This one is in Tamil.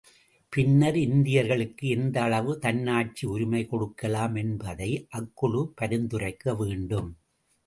பின்னர், இந்தியர்களுக்கு எந்த அளவு தன்னாட்சி உரிமை கொடுக்கலாம் என்பதை அக்குழு பரிந்துரைக்க வேண்டும்.